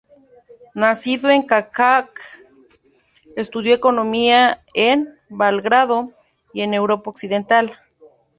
Nacido en Čačak, estudió economía en Belgrado y en Europa occidental.